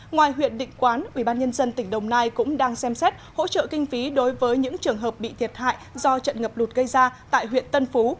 ngoài huyện định quán ủy ban nhân dân tỉnh đồng nai cũng đang xem xét hỗ trợ kinh phí đối với những trường hợp bị thiệt hại do trận ngập đụt gây ra tại huyện tân phú